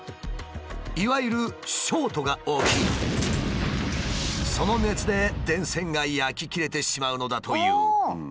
いわゆるショートが起きその熱で電線が焼き切れてしまうのだという。